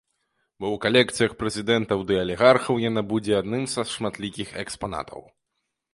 Бо ў калекцыях прэзідэнтаў ды алігархаў яна будзе адным са шматлікіх экспанатаў.